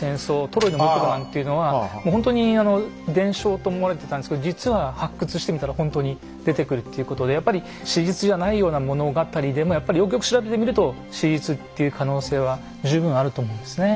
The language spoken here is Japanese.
トロイの木馬なんていうのはもうほんとに伝承と思われてたんですけど実は発掘してみたらほんとに出てくるっていうことでやっぱり史実じゃないような物語でもやっぱりよくよく調べてみると史実っていう可能性は十分あると思うんですね。